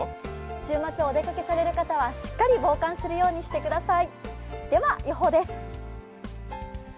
週末、お出かけされる方はしっかり防寒するようにしてください。